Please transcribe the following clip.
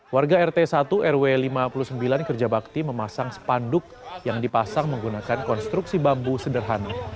warga rt satu rw lima puluh sembilan kerja bakti memasang spanduk yang dipasang menggunakan konstruksi bambu sederhana